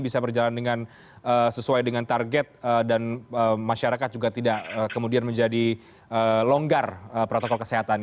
bisa berjalan sesuai dengan target dan masyarakat juga tidak kemudian menjadi longgar protokol kesehatan